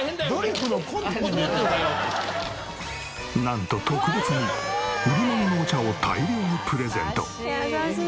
なんと特別に売り物のお茶を大量にプレゼント。